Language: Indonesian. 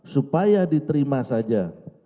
supaya diterima saja